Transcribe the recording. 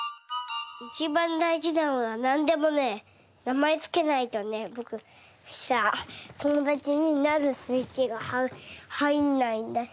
いちばんだいじなのはなんでもねなまえつけないとねぼくさともだちになるスイッチがはいんないんだよ。